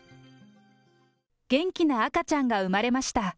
元気な赤ちゃんが産まれました。